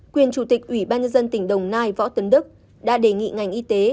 quyền chủ tịch ủy ban nhân dân tỉnh đồng nai võ tấn đức đã đề nghị ngành y tế